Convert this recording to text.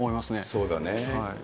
そうだね。